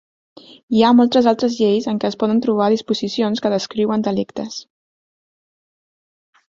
Hi ha moltes altres lleis en què es poden trobar disposicions que descriuen delictes.